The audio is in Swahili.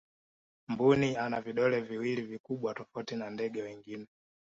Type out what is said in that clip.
mbuni ana vidole viwili vikubwa tofauti na ndege wengine